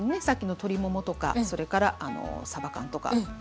さっきの鶏ももとかそれからさば缶とか。